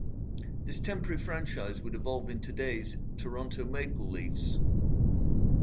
This temporary franchise would evolve into today's Toronto Maple Leafs.